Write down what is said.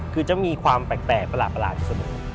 คือจะมีความแปลกประหลาดที่สุดหนึ่ง